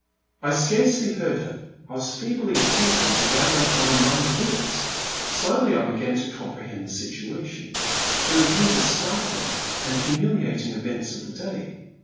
I scarcely heard her; I was feebly attempting to gather up my numbed wits. Slowly I began to comprehend the situation, to review the start ling and humiliating events of the day.